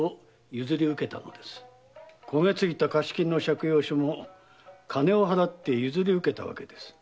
焦げ付いた貸し金の借用書も金を払って譲り受けたわけです。